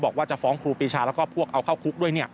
บอกว่าจะฟ้องครูปีชาแล้วก็พวกเอาเข้าคุกด้วย